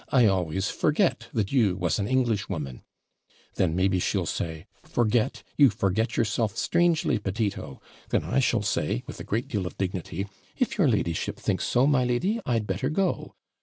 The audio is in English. I always forget that you was an Englishwoman:" then maybe she'll say, "Forget! you forget yourself strangely, Petito." Then I shall say, with a great deal of dignity, "If your ladyship thinks so, my lady, I'd better go."